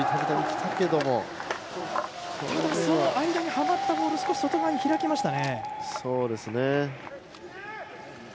ただその間にはまったボールが少し外側に開きました。